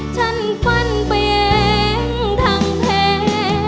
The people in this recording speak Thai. ฉันฝันไปเองทั้งแผง